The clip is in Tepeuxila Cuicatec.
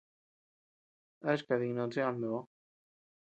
¿A chikadinud chi a ndo?